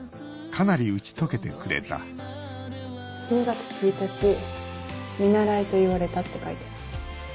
「２月１日見習いと言われた」って書いて。